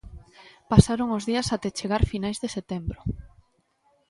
Pasaron os días até chegar finais de setembro.